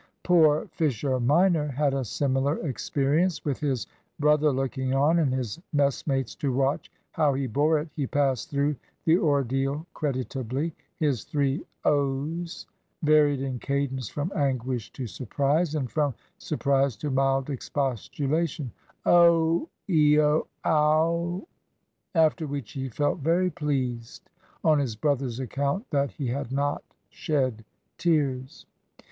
Poor Fisher minor had a similar experience. With his brother looking on, and his messmates to watch how he bore it, he passed through the ordeal creditably. His three "Ohs" varied in cadence from anguish to surprise, and from surprise to mild expostulation, "Oh!" "Ehee!" "Ow!" after which he felt very pleased, on his brother's account, that he had not shed tears.